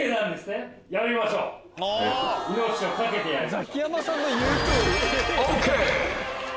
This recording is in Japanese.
ザキヤマさんの言う通り。